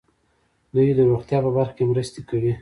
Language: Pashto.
دوی د روغتیا په برخه کې مرستې کوي.